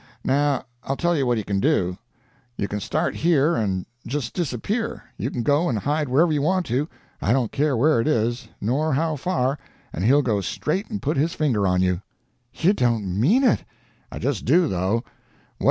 Now I'll tell you what he can do. You can start here, and just disappear; you can go and hide wherever you want to, I don't care where it is, nor how far and he'll go straight and put his finger on you." "You don't mean it!" "I just do, though.